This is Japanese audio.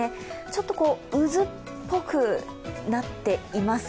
ちょっと渦っぽくなっています。